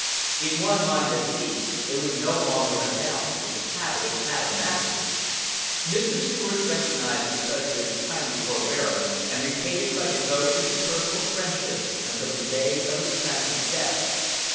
In one mind at least there was no longer a doubt that the cabinet had a master. Mr. Seward recognized the President's kindly forbearance, and repaid it by devotion and personal friendship until the day of his tragic death.